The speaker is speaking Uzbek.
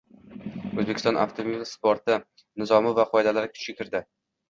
O‘zbekiston avtomobil sporti nizomi va qoidalari kuchga kirdi